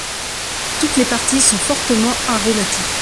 Toutes les parties sont fortement aromatiques.